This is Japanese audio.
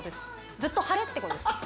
ずっと晴れってことですか？